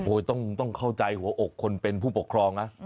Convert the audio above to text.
ต้องเข้าใจหัวอกคนเป็นผู้ปกครองนะ